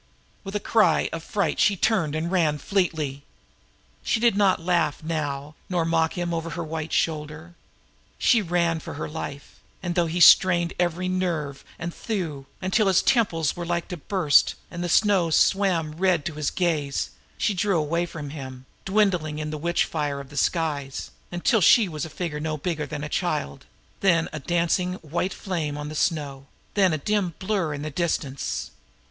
With a cry of fright she turned and fled. She did not laugh now, nor mock him over her shoulder. She ran as for her life, and though he strained every nerve and thew, until his temples were like to burst and the snow swam red to his gaze, she drew away from him, dwindling in the witch fire of the skies, until she was a figure no bigger than a child, then a dancing white flame on the snow, then a dim blur in the distance.